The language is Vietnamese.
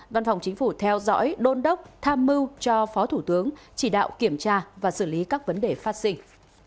văn phòng chính phủ theo dõi đôn đốc tham mưu cho phó thủ tướng chỉ đạo kiểm tra và xử lý các vấn đề phát sinh